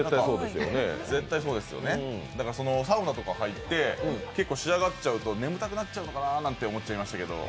絶対そうですよね、サウナとか肺って仕上がっちゃうと眠たくなっちゃうのかななんて思いましたけど。